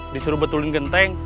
disuruh betulin genteng